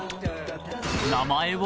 ［名前は？］